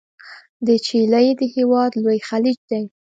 د چیلي د هیواد لوی خلیج دی.